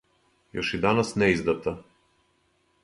још и данас неиздата